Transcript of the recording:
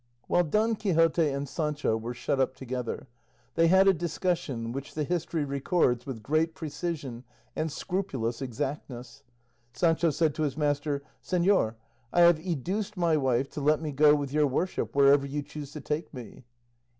While Don Quixote and Sancho were shut up together, they had a discussion which the history records with great precision and scrupulous exactness. Sancho said to his master, "Señor, I have educed my wife to let me go with your worship wherever you choose to take me."